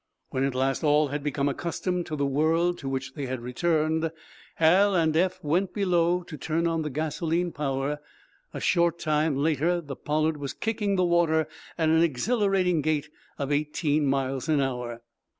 When, at last, all had become accustomed to the world to which they had returned, Hal and Eph went below, to turn on the gasoline power a short time the "Pollard" was kicking the water at the exhilarating gait of eighteen miles an hour.